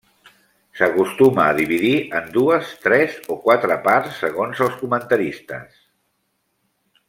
S'acostuma a dividir en dues, tres o quatre parts, segons els comentaristes.